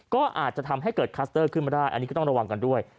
ก็อาจจะทำให้เกิดคลัสเตอร์ขึ้นมาได้อันนี้ก็ต้องระวังกันด้วย